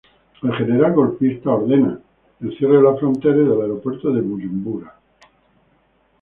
El general golpista ordenó el cierre de las fronteras y del aeropuerto de Buyumbura.